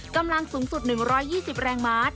กำลังสูงสุด๑๒๐แรงมาตร